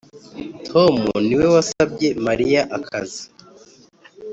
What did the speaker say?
tom niwe wasabye mariya akazi.